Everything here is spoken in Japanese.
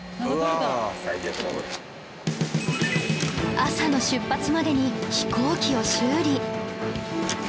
朝の出発までに飛行機を修理